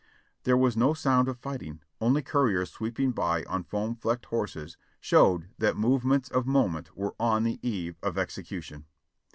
There was no sound of fighting, only couriers sweeping by on foam flecked horses showed that movements of moment were on the eve of execution.